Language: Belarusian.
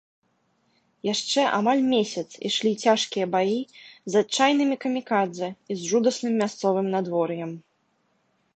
Яшчэ амаль месяц ішлі цяжкія баі з адчайнымі камікадзэ і з жудасным мясцовым надвор'ем.